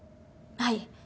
はい。